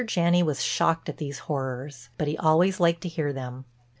Janney was shocked at these horrors, but he always liked to hear them.